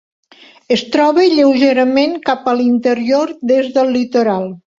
Es troba lleugerament cap a l'interior des del litoral.